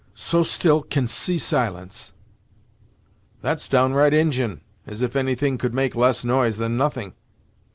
So still, can see silence!" "That's downright Injin as if any thing could make less noise than nothing!